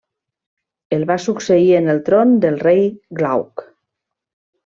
El va succeir en el tron el rei Glauc.